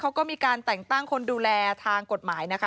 เขาก็มีการแต่งตั้งคนดูแลทางกฎหมายนะคะ